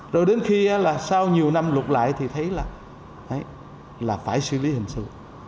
rồi đến khi là sau nhiều năm lục lại thì thấy là phải xử lý hình sự